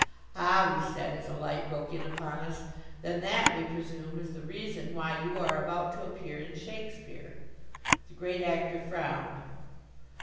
"Ah," we said, as a light broke in upon us, "then that, we presume, is the reason why you are about to appear in Shakespeare?" The Great Actor frowned.